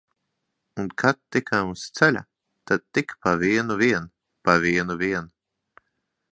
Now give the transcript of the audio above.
Un kad tikām uz ceļa, tad tik pa vienu vien, pa vienu vien!